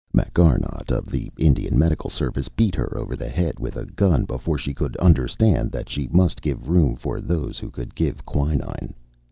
Macarnaght, of the Indian Medical Service, beat her over the head with a gun, before she could understand that she must give room for those who could give quinine.